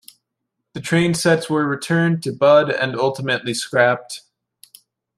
The trainsets were returned to Budd and ultimately scrapped.